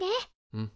うん。